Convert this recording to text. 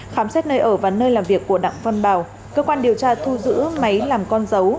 khám xét nơi ở và nơi làm việc của đặng văn bảo cơ quan điều tra thu giữ máy làm con dấu